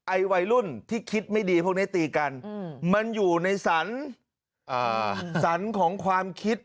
วัยรุ่นที่คิดไม่ดีพวกนี้ตีกันมันอยู่ในสรรของความคิด